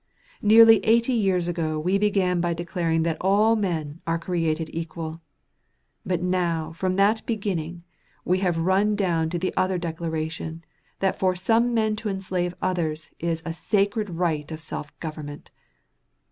Near eighty years ago we began by declaring that all men are created equal; but now from that beginning we have run down to the other declaration that for some men to enslave others is a "sacred right of self government."